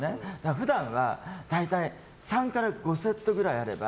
普段は、大体３から５セットぐらいあれば。